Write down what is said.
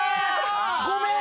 ごめん！